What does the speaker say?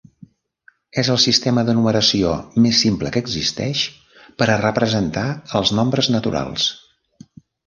És el sistema de numeració més simple que existeix per a representar els nombres naturals.